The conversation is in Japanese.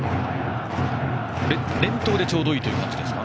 連投でちょうどいいという感じですか？